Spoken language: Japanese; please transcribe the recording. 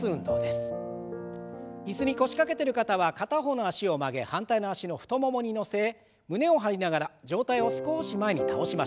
椅子に腰掛けてる方は片方の脚を曲げ反対の脚の太ももに乗せ胸を張りながら上体を少し前に倒しましょう。